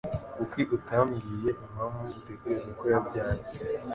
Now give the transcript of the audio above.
Kuki utambwiye impamvu utekereza ko byabaye?